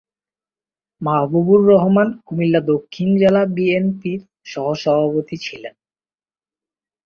মাহবুবুর রহমান কুমিল্লা দক্ষিণ জেলা বিএনপির সহসভাপতি ছিলেন।